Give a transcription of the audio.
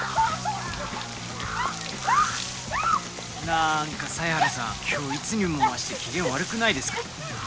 なんか犀原さん今日いつにも増して機嫌悪くないですか？